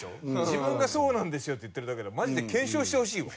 自分がそうなんですよって言ってるだけでマジで検証してほしいわ。